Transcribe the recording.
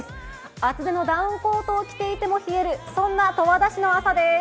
厚手のダウンコートを着ていても冷える、そんな十和田市の朝です。